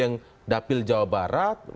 yang dapil jawa barat